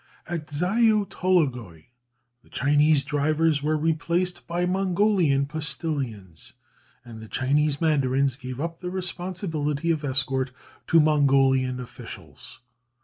[Illustration: HONG KONG.] At Zayau Tologoï, the Chinese drivers were replaced by Mongolian postillions, and the Chinese mandarins gave up the responsibility of escort to Mongolian officials.